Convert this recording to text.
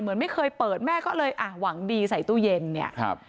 เหมือนไม่เคยเปิดแม่ก็เลยอ่ะหวังดีใส่ตู้เย็นเนี่ยครับ